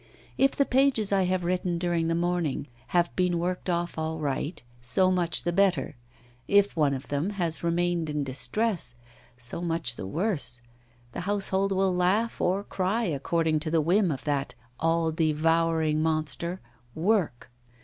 If the pages I have written during the morning have been worked off all right, so much the better; if one of them has remained in distress, so much the worse. The household will laugh or cry according to the whim of that all devouring monster Work.